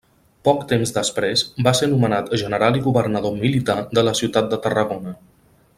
Poc temps després va ser nomenat general i governador militar de la ciutat de Tarragona.